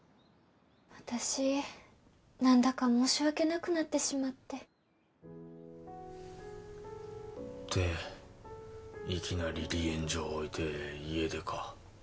私何だか申し訳なくなってしまってでいきなり離縁状置いて家出か？